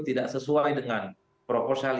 tidak sesuai dengan proposal